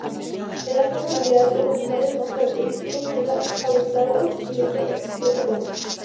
En la fauna aviar, los animales más característicos son las avutardas y los halcones.